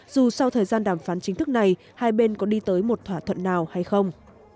dù sau thời gian đàm phán chính thức này hai bên có đi tới một thỏa thuận nào hay không